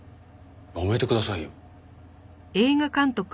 やめてくださいよ。